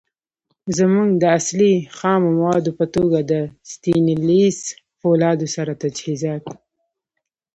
زمونږ د اصلی. خامو موادو په توګه د ستينليس فولادو سره تجهیزات